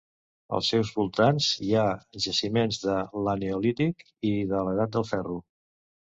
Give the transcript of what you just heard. Als seus voltants hi ha jaciments de l'eneolític i de l'Edat de Ferro.